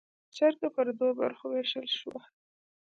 جرګه پر دوو برخو ووېشل شوه.